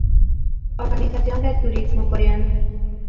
Organización del turismo Coreano